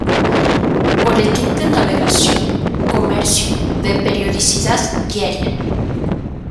Boletín de Navegación, Comercio, de periodicidad diaria".